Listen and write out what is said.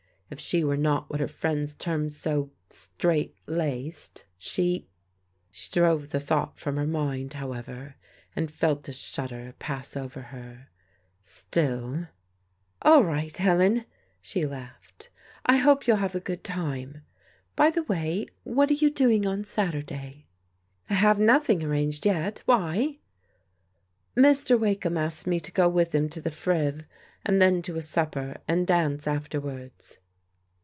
If she were not what her friends termed so straight laced, she She drove the thought from her mind, however, and felt a shudder pass over her. Still " All right, Ellen,'* she laughed, " I hope you'll f^ have a good time. By the way, what are you doing on Saturday ?"" I have nothing arranged, yet. Why?" Mr. Wakeham asked me to go with him to the Friv, and then to a supper, and dance afterwards."